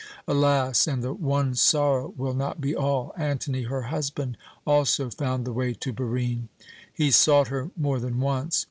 Alas! and the one sorrow will not be all. Antony, her husband, also found the way to Barine. He sought her more than once.